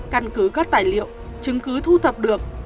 căn cứ các tài liệu chứng cứ thu thập được